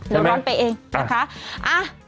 เดี๋ยวร้อนไปเองนะคะ